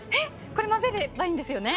これ、混ぜればいいんですよね。